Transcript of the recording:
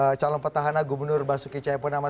menantang calon pertahanan gubernur basuki cayapunama